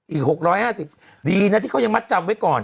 อีก๖๕๐ดีนะที่เขายังมัดจำไว้ก่อน